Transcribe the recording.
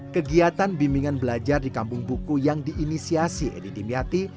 kegiatan bimbingan belajar di kampung buku yang diinisiasi edi dimyati